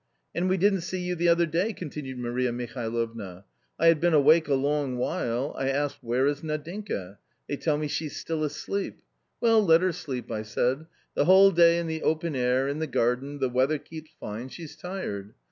" And we didn't see you the other day !" continued Maria Mihalovna. " I had been awake a long while ; I asked, where is Nadinka? They tell me she's still asleep. " Well, let her sleep," I said, the whole day in the open air, in the garden, the weather keeps fine, she's tired.